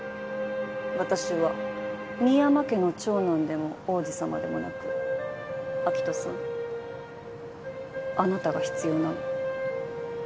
私は深山家の長男でも王子様でもなく明人さんあなたが必要なの。